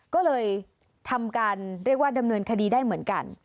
ก็เลยทำการเรียกว่าดำเนินคดีได้เหมือนกัน